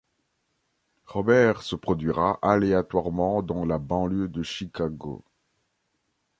Robert se produira aléatoirement dans la banlieue de Chicago.